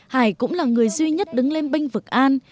hải cũng là người duy nhất đứng lên binh vực an